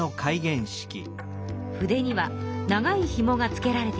筆には長いひもがつけられていました。